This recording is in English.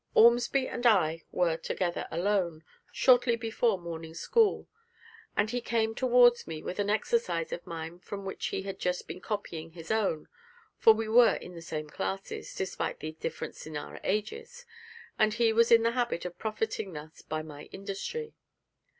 Ormsby and I were together alone, shortly before morning school, and he came towards me with an exercise of mine from which he had just been copying his own, for we were in the same classes, despite the difference in our ages, and he was in the habit of profiting thus by my industry.